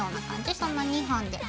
その２本で。